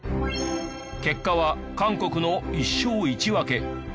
結果は韓国の１勝１分。